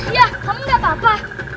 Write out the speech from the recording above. ya kamu gak apa apa